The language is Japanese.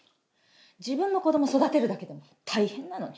自分の子供育てるだけでも大変なのに。